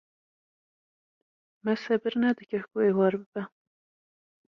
Me sebir nedikir ku êvar bibe